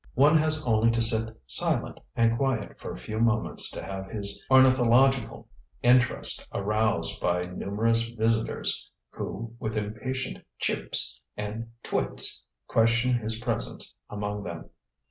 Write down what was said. One has only to sit silent and quiet for a few moments to have his ornithological interest aroused by numerous visitors, who, with impatient "chips" and "twits" question his presence among them.